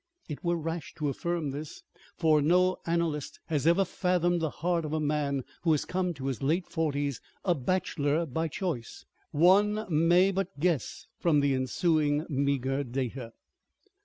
It were rash to affirm this, for no analyst has ever fathomed the heart of a man who has come to his late forties a bachelor by choice. One may but guess from the ensuing meager data.